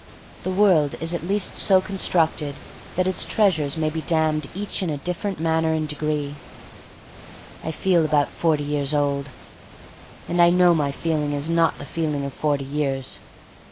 The world is at least so constructed that its treasures may be damned each in a different manner and degree. I feel about forty years old. And I know my feeling is not the feel ing of forty years.